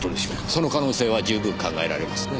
その可能性は十分考えられますねぇ。